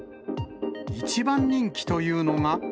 一番人気というのが。